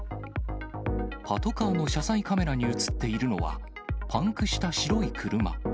パトカーの車載カメラに写っているのは、パンクした白い車。